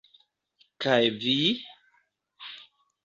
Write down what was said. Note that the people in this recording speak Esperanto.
Kaj vi..?